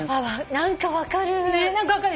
何か分かる。